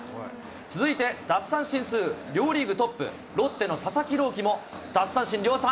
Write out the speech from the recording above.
続いて、奪三振数、両リーグトップ、ロッテの佐々木朗希も奪三振量産。